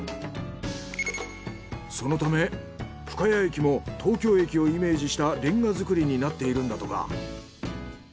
そのため深谷駅も東京駅をイメージしたレンガ造りになっているんだとか。